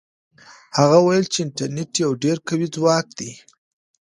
هغه وویل چې انټرنيټ یو ډېر قوي ځواک دی.